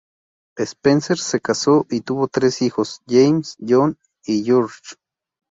Spencer se casó y tuvo tres hijos, James, John y George.